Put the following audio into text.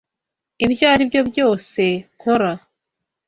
Ibyo aribyo byose nkora.